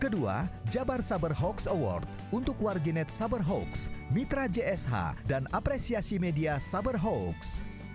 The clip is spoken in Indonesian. kedua jabar saberhawks award untuk penerbitan sertifikat elektronik laporan hasil penerbitan sertifikat elektronik laporan hasil penerbitan sertifikat elektronik